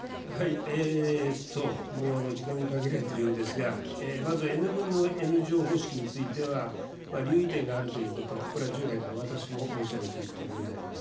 時間が限られているようですが、まずＮ分のＮ乗方式については、留意点があるということ、これは従来から、私も申し上げているところであります。